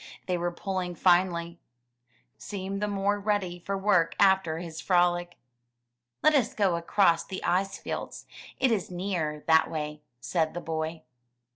They were pulling finely. Kookoo seemed the more ready for work after his frolic. Let us go across the ice fields, it is nearer that way/' said the boy.